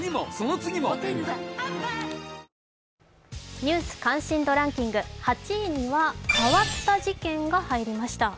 「ニュース関心度ランキング」、８位には変わった事件が入りました。